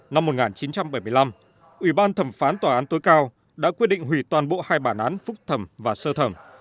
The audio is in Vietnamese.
năm một nghìn chín trăm bảy mươi năm ủy ban thẩm phán tòa án tối cao đã quyết định hủy toàn bộ hai bản án phúc thẩm và sơ thẩm